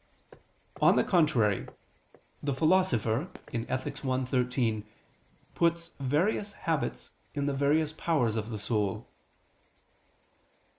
On the contrary, The Philosopher (Ethic. i, 13) puts various habits in the various powers of the soul.